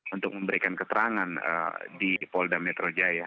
untuk memberikan keterangan di polda metro jaya